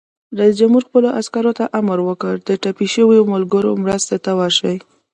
رئیس جمهور خپلو عسکرو ته امر وکړ؛ د ټپي شویو ملګرو مرستې ته ورشئ!